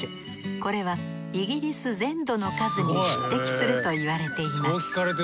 これはイギリス全土の数に匹敵すると言われています。